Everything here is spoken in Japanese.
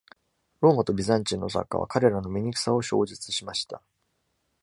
ローマとビザンチンの作家は、彼らの醜さを詳述しました。